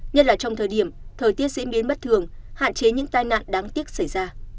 nhất là trong thời điểm thời tiết diễn biến bất thường hạn chế những tai nạn đáng tiếc xảy ra